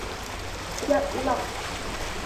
一粒